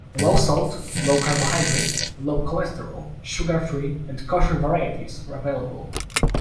Low-salt, low-carbohydrate, low-cholesterol, sugar-free, and kosher varieties are available.